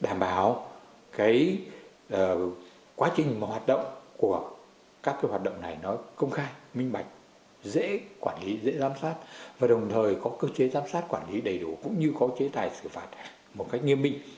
đảm bảo cái quá trình mà hoạt động của các cái hoạt động này nó công khai minh bạch dễ quản lý dễ giám sát và đồng thời có cơ chế giám sát quản lý đầy đủ cũng như có chế tài xử phạt một cách nghiêm minh